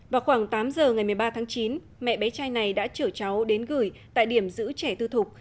vào khoảng tám giờ ngày một mươi ba tháng chín mẹ bé trai này đã chở cháu đến gửi tại điểm giữ trẻ tư thục